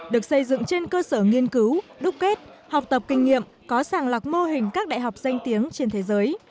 được xây dựng trên cơ sở nghiên cứu đúc kết học tập kinh nghiệm có sàng lọc mô hình các đại học danh tiếng trên thế giới